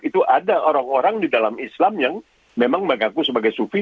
itu ada orang orang di dalam islam yang memang mengaku sebagai sufi